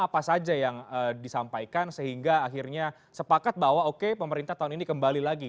apa saja yang disampaikan sehingga akhirnya sepakat bahwa oke pemerintah tahun ini kembali lagi